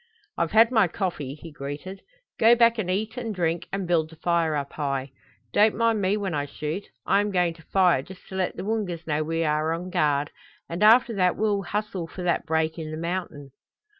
"I've had my coffee," he greeted. "Go back and eat and drink, and build the fire up high. Don't mind me when I shoot. I am going to fire just to let the Woongas know we are on guard, and after that we'll hustle for that break in the mountain."